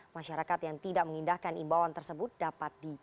masyarakat yang tidak mengindahkan imbauan tersebut dapat digunakan